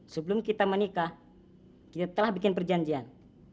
sebelum kita menikah kita telah bikin perjanjian